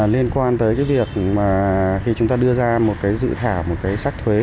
liên quan tới việc khi chúng ta đưa ra một dự thả một sách thuế